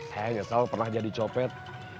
saya nyesel pernah jadi copet